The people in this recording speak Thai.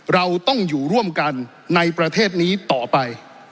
เราต้องอยู่ร่วมกันในประเทศนี้ต่อไป